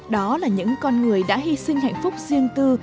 đó là những con người đã hy sinh hạnh phúc riêng tư